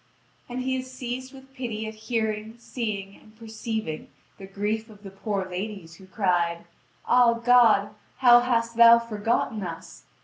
And he is seized with pity at hearing, seeing, and perceiving the grief of the poor ladies, who cried: "Ah, God, how hast Thou forgotten us!